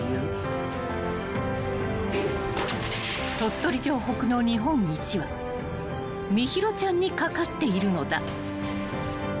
［鳥取城北の日本一は心優ちゃんに懸かっているのだ］